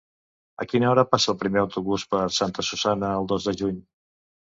A quina hora passa el primer autobús per Santa Susanna el dos de juny?